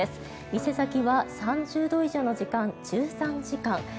伊勢崎は３０度以上の時間１３時間。